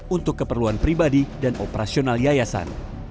untuk keperluan pribadi dan operasional yayasan